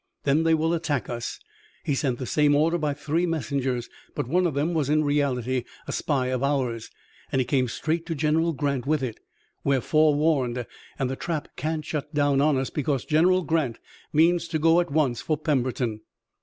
Then they will attack us. He sent the same order by three messengers, but one of them was in reality a spy of ours, and he came straight to General Grant with it. We're forewarned, and the trap can't shut down on us, because General Grant means to go at once for Pemberton."